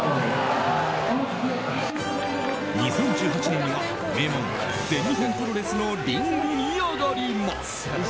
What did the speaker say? ２０１８年には名門、全日本プロレスのリングに上がります。